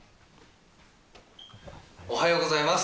おはようございます。